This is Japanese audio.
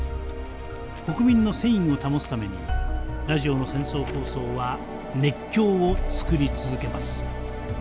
国民の戦意を保つためにラジオの戦争放送は熱狂を作り続けます。